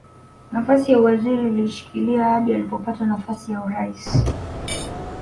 Nafasi ya uwaziri aliishikilia hadi alipopata nafasi ya urais